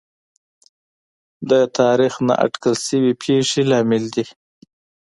د تاریخ نااټکل شوې پېښې لامل دي.